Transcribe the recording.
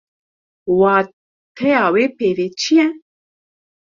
Wateya wê peyvê çi ye?